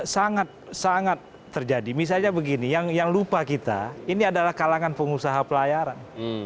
sangat sangat terjadi misalnya begini yang lupa kita ini adalah kalangan pengusaha pelayaran